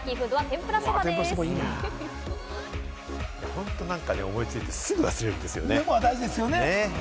本当何か、思いついてすぐ忘れるんですよね。